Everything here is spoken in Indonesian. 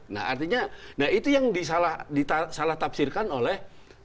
nah artinya itu yang disalah tapsirkan oleh